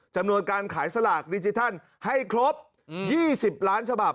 การขายสลากดิจิทัลให้ครบ๒๐ล้านฉบับ